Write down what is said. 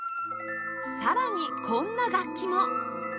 さらにこんな楽器も